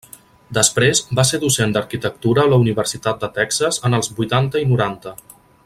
Després va ser docent d'arquitectura a la Universitat de Texas en els vuitanta i noranta.